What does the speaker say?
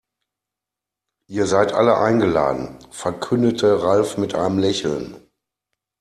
Ihr seid alle eingeladen, verkündete Ralf mit einem Lächeln.